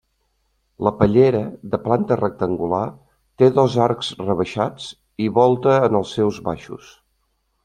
La pallera, de planta rectangular, té dos arcs rebaixats i volta en els seus baixos.